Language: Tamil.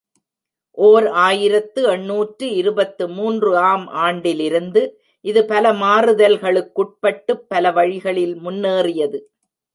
ஓர் ஆயிரத்து எண்ணூற்று இருபத்து மூன்று ஆம் ஆண்டிலிருந்து, இது பல மாறுதல்களுக்குட்பட்டுப் பல வழிகளிலும் முன்னேறியது.